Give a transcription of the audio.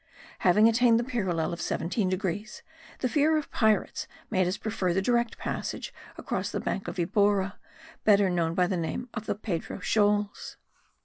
Having attained the parallel of 17 degrees, the fear of pirates made us prefer the direct passage across the bank of Vibora, better known by the name of the Pedro Shoals.